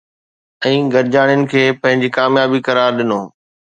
۽ گڏجاڻين کي پنهنجي ڪاميابي قرار ڏنو